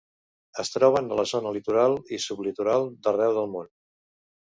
Es troben a la zona litoral i sublitoral d'arreu del món.